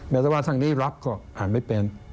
ซะว่าทางนี้รับก็อ่านไม่เป็น